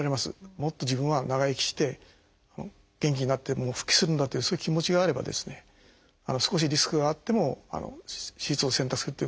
もっと自分は長生きして元気になって復帰するんだというそういう気持ちがあればですね少しリスクがあっても手術を選択するということは可能だと思います。